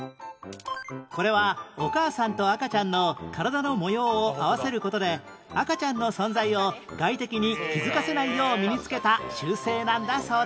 これはお母さんと赤ちゃんの体の模様を合わせる事で赤ちゃんの存在を外敵に気づかせないよう身につけた習性なんだそうです